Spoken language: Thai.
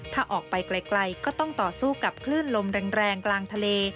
ถ้าออกไปไกลก็ต้องต่อสู้กับคลื่นลมแรงกลางทะเล